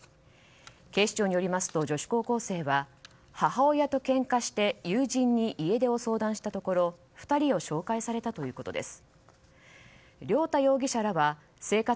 警視庁によりますと女子高校生は母親とけんかして友人に家出を相談したところ２人を紹介されたということです。